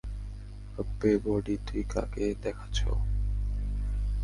আব্বে বডি তুই কাকে দেখাছ!